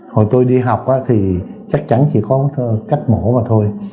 hồi tôi đi học thì chắc chắn chỉ có cách mổ mà thôi